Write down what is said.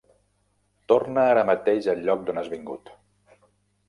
Torna ara mateix al lloc d'on has vingut!